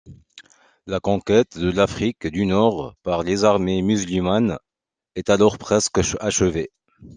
La conquête de l'Afrique du Nord par les armées musulmanes est alors presque achevée.